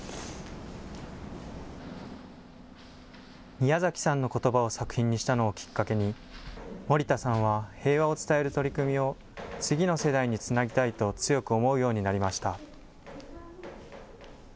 宮崎さんのことばを作品にしたのをきっかけに、森田さんは平和を伝える取り組みを次の世代につなぎたいと、強く思うようになりました。